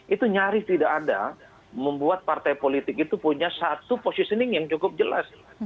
itu nyaris tidak ada membuat partai politik itu punya satu positioning yang cukup jelas